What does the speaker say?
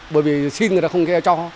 bởi vì xin người ta không nghe cho